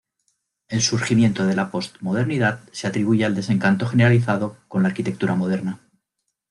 El surgimiento de la postmodernidad se atribuye al desencanto generalizado con la Arquitectura Moderna.